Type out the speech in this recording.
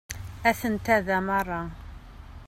Atent-a da merra.